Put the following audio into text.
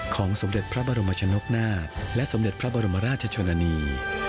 สมเด็จพระบรมชนกนาฏและสมเด็จพระบรมราชชนนานี